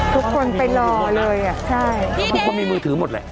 ทุกคนไปรอเลยอ่ะใช่ทุกคนมีมือถือหมดแหละ